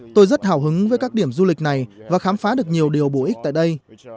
tôi rất hào hứng với các điểm du lịch này và khám phá được nhiều điều bổ ích tại đây